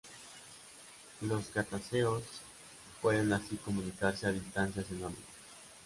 Los cetáceos pueden así comunicarse a distancias enormes.